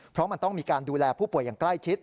เพราะมันต้องมีการดูแลผู้ป่วยอย่างใกล้ชิด